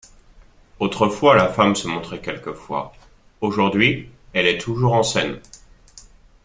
Autrefois la femme se montrait quelquefois ; aujourd’hui, elle est toujours en scène.